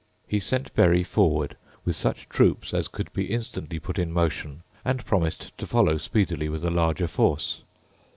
He sent Berry forward with such troops as could be instantly put in motion, and promised to follow speedily with a larger force.